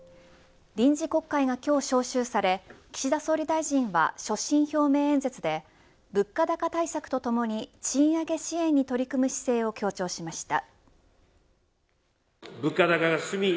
臨時国会が今日、召集され岸田総理大臣は所信表明演説で物価高対策とともに賃上げ支援に取り組む姿勢を強調しました。